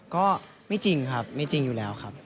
ก็ไม่จริงครับไม่จริงอยู่แล้วครับ